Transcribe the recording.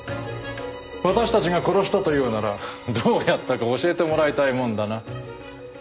私たちが殺したというならどうやったか教えてもらいたいもんだな。